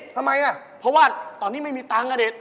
ทำไมอ่ะเพราะว่าตอนนี้ไม่มีตังค์อ่ะเด็ก